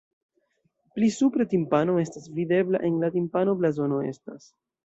Pli supre timpano estas videbla, en la timpano blazono estas.